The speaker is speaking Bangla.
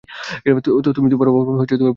তো তুমি বাবার পুরো জমিটা পেয়ে গেলে।